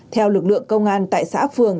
theo lực lượng công an tại xã phường